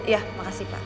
iya makasih pak